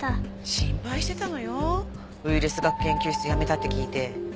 心配してたのよウイルス学研究室辞めたって聞いて。